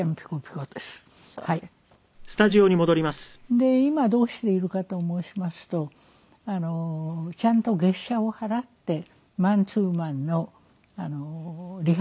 で今どうしているかと申しますとちゃんと月謝を払ってマンツーマンのリハビリを。